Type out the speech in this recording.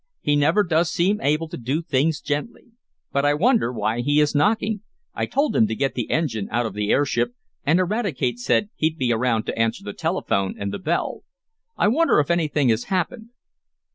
"He never does seem able to do things gently. But I wonder why he is knocking. I told him to get the engine out of the airship, and Eradicate said he'd be around to answer the telephone and bell. I wonder if anything has happened?"